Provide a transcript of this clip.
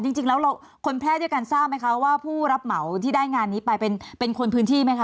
จริงแล้วคนแพร่ด้วยกันทราบไหมคะว่าผู้รับเหมาที่ได้งานนี้ไปเป็นคนพื้นที่ไหมคะ